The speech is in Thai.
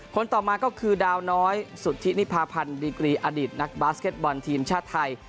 ต่อมาก็คือดาวน้อยสุธินิพาพันธ์ดีกรีอดีตนักบาสเก็ตบอลทีมชาติไทย